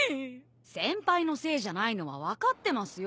先輩のせいじゃないのは分かってますよ。